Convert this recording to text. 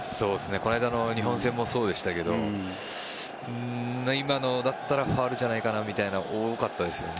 この間の日本戦もそうでしたけど今のだったらファウルじゃないかなみたいなのは多かったですよね。